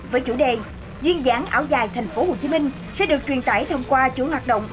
với chủ đề duyên dáng áo dài tp hcm sẽ được truyền tải thông qua chủ hoạt động